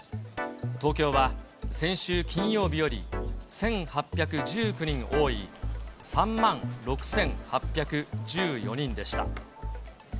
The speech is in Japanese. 東京は先週金曜日より１８１９人多い、３万６８１４人でした。